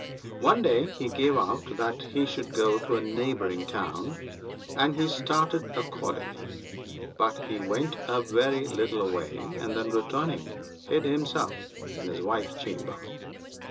One day he gave out that he should go to a neighbouring town, and he started accordingly ; but he went a very little way, and then returning, hid himself in his wife's chamber.